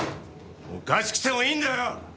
おかしくてもいいんだよ！